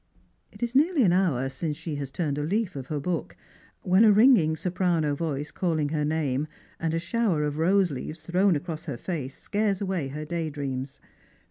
It is nearly an hour since she has turned a leaf of her book, when a ringing soprano voice calHng her name, and a shower of rose leaves thrown across her face, scare away her day dreams.